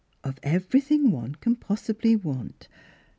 "' Of everything one can possibly want.